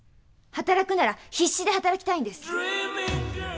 働くなら必死で働きたいんです！